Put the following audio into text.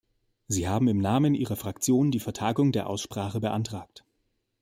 Sie haben im Namen Ihrer Fraktion die Vertagung der Aussprache beantragt.